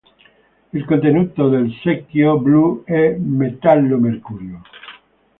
Il contenuto del secchio blu è metallo mercurio.